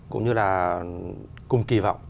cũng như là cùng kỳ vọng